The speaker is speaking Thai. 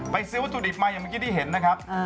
ซื้อวัตถุดิบมาอย่างเมื่อกี้ที่เห็นนะครับ